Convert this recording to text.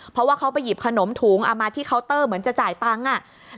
เพราะว่าเขาไปหยิบขนมถุงเอามาที่เคาน์เตอร์เหมือนจะจ่ายตังค์